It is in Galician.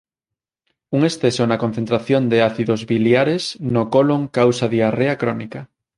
Un exceso na concentración de ácidos biliares no colon causa diarrea crónica.